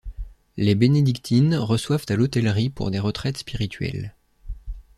Les bénédictines reçoivent à l'hôtellerie pour des retraites spirituelles.